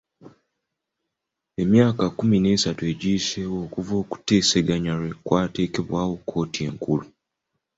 Emyaka kkumi n'esatu giyiseewo okuva okuteesaganya lwe kwateekebwawo kkooti enkulu.